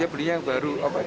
dia belinya baru jadi